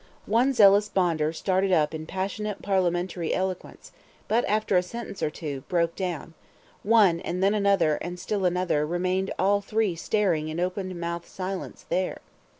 One zealous Bonder started up in passionate parliamentary eloquence; but after a sentence or two, broke down; one, and then another, and still another, and remained all three staring in open mouthed silence there!